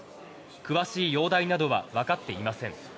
詳しい容体などはわかっていません。